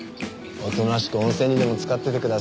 おとなしく温泉にでもつかっててください。